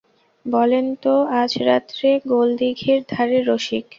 বলেন তো আজ রাত্রে গোলদিঘির ধারে– রসিক।